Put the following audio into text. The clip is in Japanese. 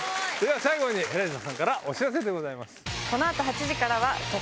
最後にエライザさんからお知らせでございます。